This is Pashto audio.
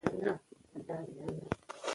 استاد د ټولني د روښانه راتلونکي اصلي معمار دی.